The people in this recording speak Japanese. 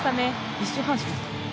１周半しました。